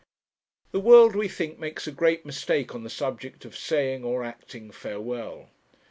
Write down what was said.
The world, we think, makes a great mistake on the subject of saying, or acting, farewell.